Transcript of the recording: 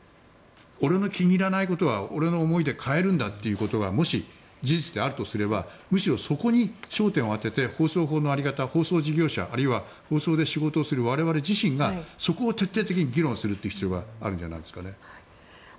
俺の気に入らないことは俺の思いで変えるんだということがもし、事実であるとすればむしろそこに焦点を当てて放送法の在り方放送事業者あるいは放送で仕事をする我々自身がそこを徹底的に議論する必要があるんじゃないですかね。